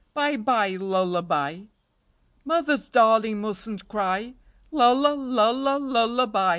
Bye, bye, lullaby; Mother's darling mustn't cry ; Lulla, lulla, lullaby.